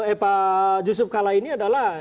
eh pak yusuf kala ini adalah